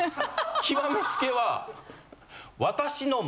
極めつけは。